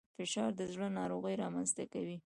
فشار د زړه ناروغۍ رامنځته کوي